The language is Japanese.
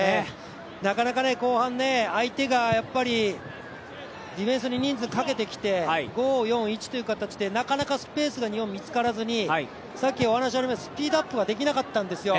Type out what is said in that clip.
なかなか後半、相手がディフェンスに人数かけてきて５ー４ー１という形で、なかなかスペースが日本、見つからずにスピードアップができなかったんですよ。